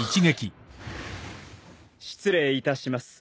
失礼いたします。